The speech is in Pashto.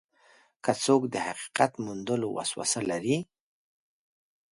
که څوک د حقیقت موندلو وسوسه لري.